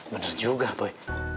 bener juga boy